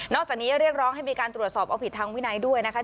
จากนี้เรียกร้องให้มีการตรวจสอบเอาผิดทางวินัยด้วยนะคะ